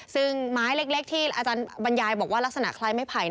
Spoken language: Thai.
ซึ่งไม้เล็กที่อาจารย์บรรยายบอกว่าลักษณะคล้ายไม้ไผ่